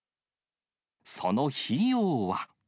その費用は。